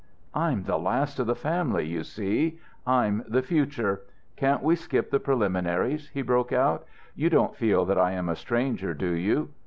"I'm the last of the family, you see; I'm the future.... Can't we skip the preliminaries?" he broke out. "You don't feel that I am a stranger, do you?"